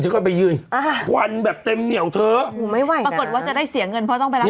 ก่อนไปยืนอ่าควันแบบเต็มเหนียวเธอหูไม่ไหวปรากฏว่าจะได้เสียเงินเพราะต้องไปรักษา